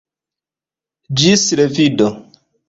Ĝis revido.